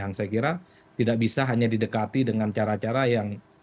yang saya kira tidak bisa hanya didekati dengan cara cara yang